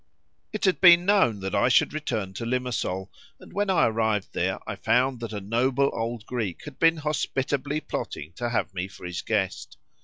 It had been known that I should return to Limasol, and when I arrived there I found that a noble old Greek had been hospitably plotting to have me for his guest.